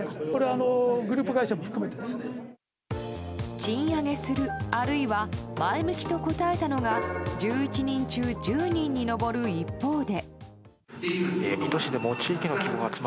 賃上げする、あるいは前向きと答えたのが１１人中１０人に上る一方で。